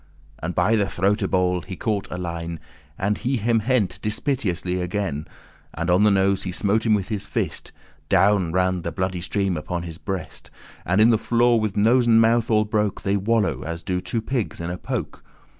And by the throate ball* he caught Alein, *Adam's apple And he him hent* dispiteously again, *seized angrily And on the nose he smote him with his fist; Down ran the bloody stream upon his breast: And in the floor with nose and mouth all broke They wallow, as do two pigs in a poke.